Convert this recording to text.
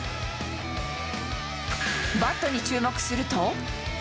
バットに注目すると。